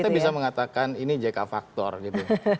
kita bisa mengatakan ini jk faktor gitu